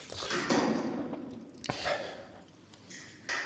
科莱迪马奇内是意大利阿布鲁佐大区基耶蒂省的一个镇。